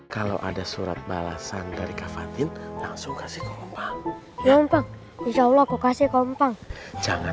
kalau ada surat balasan dari kafatin langsung kasih kompa kompanya allah kasih kompa jangan